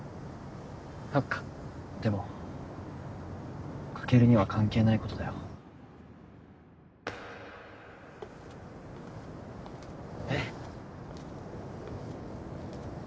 そっかでもカケルには関係ないことだよえっ？